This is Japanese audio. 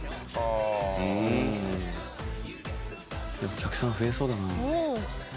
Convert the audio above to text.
お客さん増えそうだな。